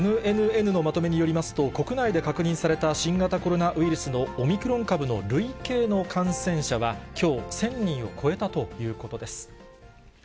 ＮＮＮのまとめによりますと、国内で確認された新型コロナウイルスのオミクロン株の累計の感染者はきょう１０００人を超えたということです。